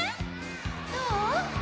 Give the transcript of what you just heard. どう？